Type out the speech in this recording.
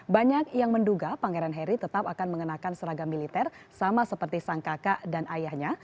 banyak yang menduga pangeran harry tetap akan mengenakan seragam militer sama seperti sang kakak dan ayahnya